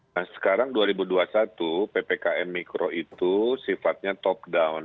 nah sekarang dua ribu dua puluh satu ppkm mikro itu sifatnya top down